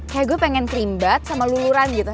kayak gue pengen kerimbat sama luluran gitu